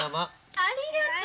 ありがとう。